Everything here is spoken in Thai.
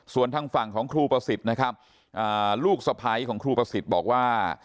ส่วนทางฝั่งของครูประสิทธิ์นะครับลูกสะพ้ายของครูประสิทธิ์บอกว่า